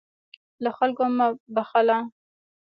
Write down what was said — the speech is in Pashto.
له خلکو مه بخله.